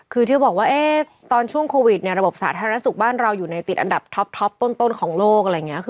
คือเธอบอกตอนช่วงโควิดระบบสาธารณสุขบ้านเราอยู่ในอันดับต้นของโลก